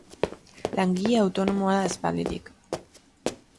Langile autonomoa da aspalditik.